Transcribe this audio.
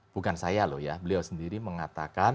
bukan saya loh ya beliau sendiri mengatakan